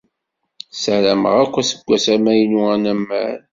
Ssarameɣ-ak aseggas amaynu anamar.